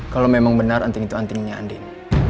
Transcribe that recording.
kalau memang benar anting itu antingnya andin